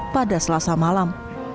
pada selasa malam